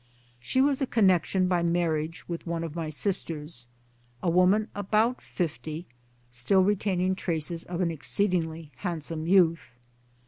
She was a connection by marriage with one of my sisters, a woman about fifty, still retaining traces of an exceedingly handsome youth.